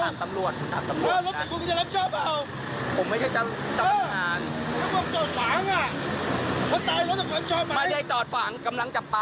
ตายแล้วรถขอรับชอบเอ่อและไม่เข้าจอดฝั่งกำลังกำลังจับสอง